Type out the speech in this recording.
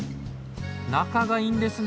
仲がいいんですね。